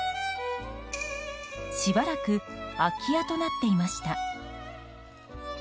しばらく空き家となっていました。